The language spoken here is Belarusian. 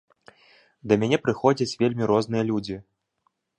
Да мяне прыходзяць вельмі розныя людзі.